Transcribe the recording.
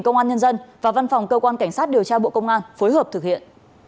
công an nhân dân và văn phòng cơ quan cảnh sát điều tra bộ công an phối hợp thực hiện